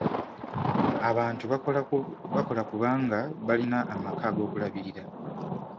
Abantu bakola kubanga balina amaka ag'okulabirira.